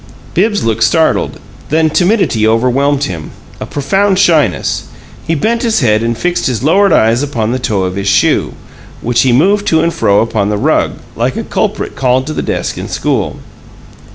Bibbs looked startled; then timidity overwhelmed him a profound shyness. He bent his head and fixed his lowered eyes upon the toe of his shoe, which he moved to and fro upon the rug, like a culprit called to the desk in school.